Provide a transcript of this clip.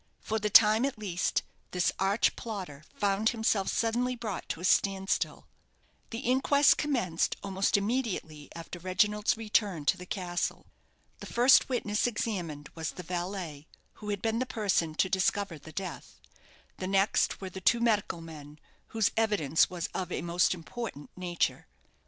For the time, at least, this arch plotter found himself suddenly brought to a stand still. The inquest commenced almost immediately after Reginald's return to the castle. The first witness examined was the valet, who had been the person to discover the death; the next were the two medical men, whose evidence was of a most important nature.